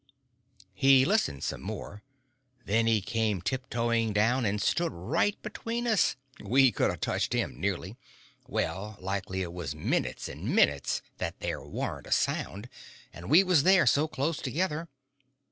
He listened some more; then he come tiptoeing down and stood right between us; we could a touched him, nearly. Well, likely it was minutes and minutes that there warn't a sound, and we all there so close together.